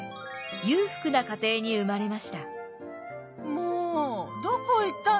もうどこ行ったの？